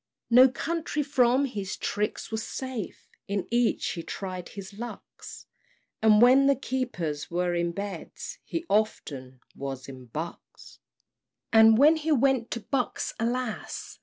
No county from his tricks was safe; In each he tried his lucks, And when the keepers were in Beds, He often was at Bucks. And when he went to Bucks, alas!